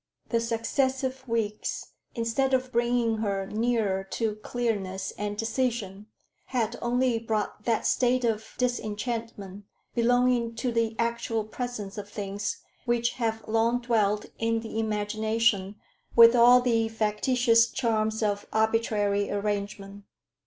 The successive weeks, instead of bringing her nearer to clearness and decision, had only brought that state of disenchantment belonging to the actual presence of things which have long dwelt in the imagination with all the factitious charms of arbitrary arrangement.